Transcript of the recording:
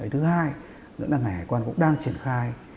thứ hai ngành hải quan cũng đang triển khai